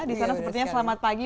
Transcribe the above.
di sana sepertinya selamat pagi